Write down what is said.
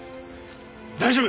大丈夫！